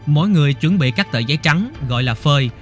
mỗi người chuẩn bị các tờ giấy trắng gọi là phơi